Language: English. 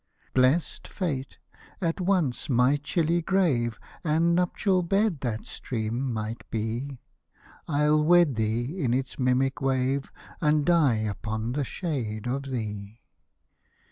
Hosted by Google TO NEA 77 Blest fate I at once my chilly grave And nuptial bed that stream might be ; I'll wed thee in its mimic wave, And die upon the shade of thee.